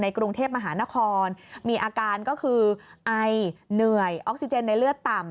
กรุงเทพมหานครมีอาการก็คือไอเหนื่อยออกซิเจนในเลือดต่ำ